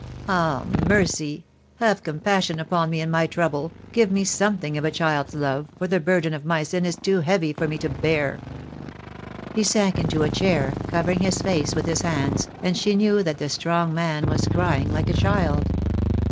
Ah, Mercy, have compassion upon me in my trouble — give me something of a child's love, for the burden of my sin is too heavy for me to bear." He sank into a chair, covering his face with his hands, and she knew that the strong man was crying like a child.